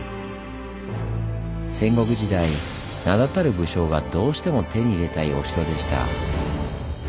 戦国時代名だたる武将がどうしても手に入れたいお城でした。